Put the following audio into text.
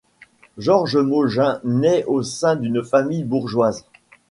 Georges Mogin naît au sein d'une famille bourgeoise.